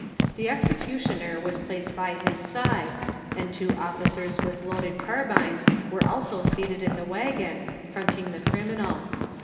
The executioner was placed by his side, and two officers with loaded carbines were also seated in the waggon, fronting the criminal.